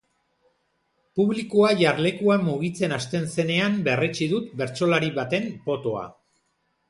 Publikoa jarlekuan mugitzen hasten zenean berretsi dut bertsolari baten potoa.